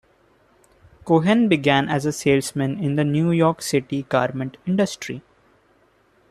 Cohen began as a salesman in the New York City garment industry.